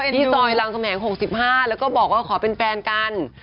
ที่ซอยรามคำแหง๖๕แล้วก็บอกว่าขอเป็นแฟนกัน